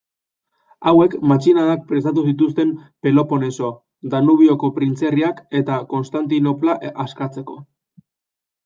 Hauek matxinadak prestatu zituzten Peloponeso, Danubioko printzerriak eta Konstantinopla askatzeko.